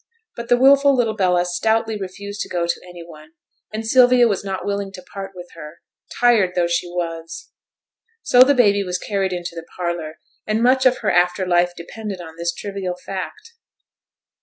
But the wilful little Bella stoutly refused to go to any one, and Sylvia was not willing to part with her, tired though she was. So the baby was carried into the parlour, and much of her after life depended on this trivial fact.